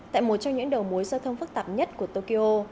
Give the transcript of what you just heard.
tại một trong những đầu mối giao thông phức tạp nhất của tokyo